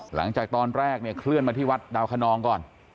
หลังจากตอนแรกเนี่ยเคลื่อนมาที่วัดดาวคนนองก่อน